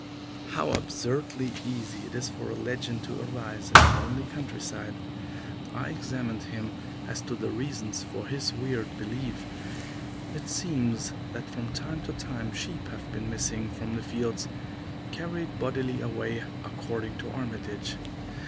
How absurdly easy it is for a legend to arise in a lonely countryside! I examined him as to the reasons for his weird belief. It seems that from time to time sheep have been missing from the fields, carried bodily away, according to Armitage.